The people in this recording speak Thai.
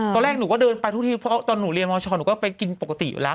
ตอนแรกหนูก็เดินไปทุกทีเพราะตอนหนูเรียนมชหนูก็ไปกินปกติอยู่แล้ว